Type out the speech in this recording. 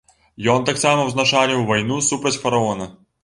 Ён таксама ўзначаліў вайну супраць фараона.